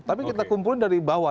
tapi kita kumpulin dari bawah